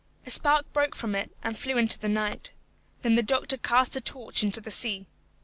A spark broke from it and flew into the night. Then the doctor cast the torch into the sea.